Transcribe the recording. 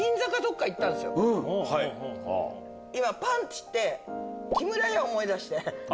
今パンっつって木村屋思い出して。